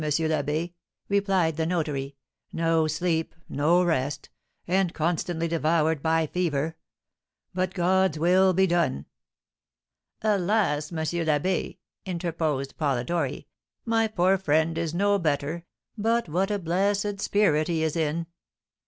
l'Abbé," replied the notary. "No sleep, no rest, and constantly devoured by fever; but God's will be done!" "Alas, M. l'Abbé!" interposed Polidori, "my poor friend is no better; but what a blessed spirit he is in!